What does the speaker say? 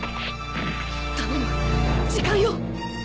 頼む時間よ